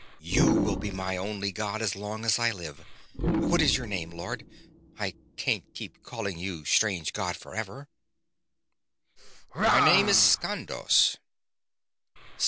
You will be my only god as long as I live. What is your name, Lord? I can't keep on calling you 'strange god' forever." "My name is Skandos."